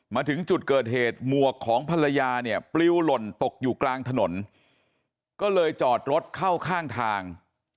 มาถึงจุดเกิดเหตุหมวกของภรรยาเนี่ยปลิวหล่นตกอยู่กลางถนนก็เลยจอดรถเข้าข้างทาง